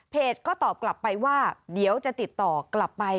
ก็ตอบกลับไปว่าเดี๋ยวจะติดต่อกลับไป